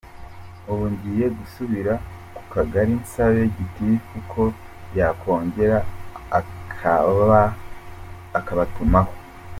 Ubu ngiye gusubira ku Kagari nsabe Gitifu ko yakongera akabatumaho.